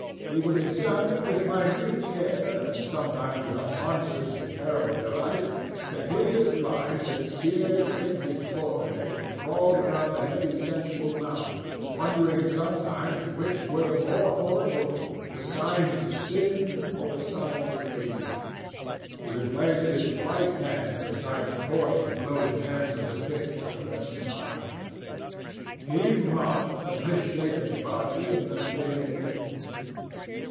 He would examine with minute care, and sometimes with a monstrous and terrible delight, the hideous lines that seared the wrinkling forehead or crawled around the heavy sensual mouth, wondering sometimes which were the more horrible, the signs of sin or the signs of age. He would place his white hands beside the coarse bloated hands of the picture, and smile. He mocked the misshapen body and the failing limbs.